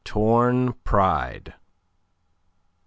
TORN PRIDE M.